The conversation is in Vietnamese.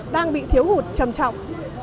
đang bị thiếu hụt trầm trọng